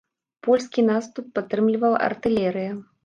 Польскі наступ падтрымлівала артылерыя.